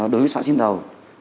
đối với xã sinh thầu